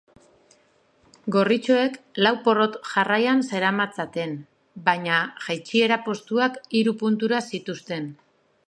Gorritxoek lau porrot jarraian zeramatzaten, baina jaitsiera postuak hiru puntura zituzten.